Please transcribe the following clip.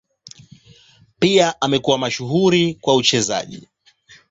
Pia amekuwa mashuhuri kwa uchezaji.